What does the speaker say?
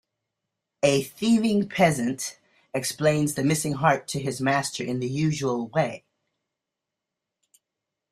A thieving peasant explains the missing heart to his master in the usual way.